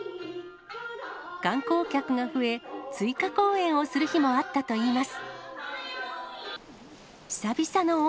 観光客が増え、追加公演をする日もあったといいます。